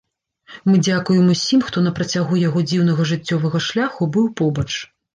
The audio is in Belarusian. Мы дзякуем усім, хто на працягу яго дзіўнага жыццёвага шляху быў побач.